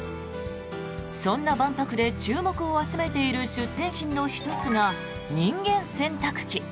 そんな万博で注目を集めている出展品の１つが、人間洗濯機。